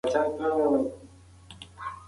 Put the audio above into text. ده د زده کړې لپاره امن چاپېريال برابر کړ.